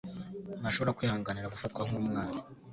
Ntashobora kwihanganira gufatwa nkumwana.